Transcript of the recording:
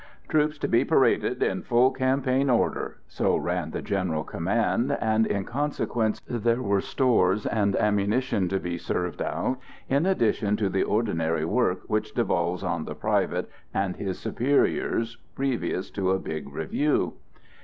"Troops to be paraded in full campaigning order" so ran the general command; and in consequence there were stores and ammunition to be served out in addition to the ordinary work which devolves on the private and his superiors previous to a big review.